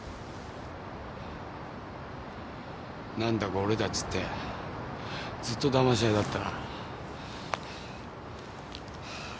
なんだか俺たちってずっとだまし合いだったな。